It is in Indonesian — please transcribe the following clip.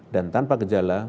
dan tanpa gejala